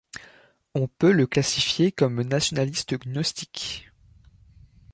On peut le classifier comme nationaliste gnostique.